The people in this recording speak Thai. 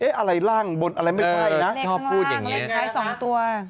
เอ๊ะอะไรล่างบนอะไรไม่ไหวนะชอบพูดอย่างเงี้ยเลขท้ายสองตัว